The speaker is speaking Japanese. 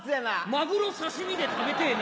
マグロ刺し身で食べてぇな。